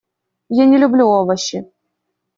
Я не люблю овощи.